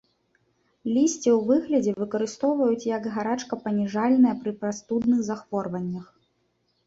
Лісце ў выглядзе выкарыстоўваюць як гарачкапаніжальнае пры прастудных захворваннях.